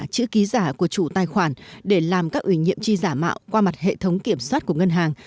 chữ ký giả của chủ tài khoản để làm các ủy nhiệm chi giả mạo qua mặt hệ thống kiểm soát của ngân hàng